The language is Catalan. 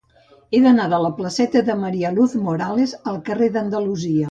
He d'anar de la placeta de María Luz Morales al carrer d'Andalusia.